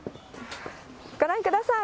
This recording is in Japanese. ご覧ください。